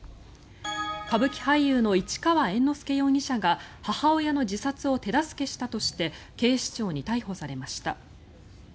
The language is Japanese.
歌舞伎俳優の市川猿之助容疑者が母親の自殺を手助けしたとして警視庁に逮捕されました。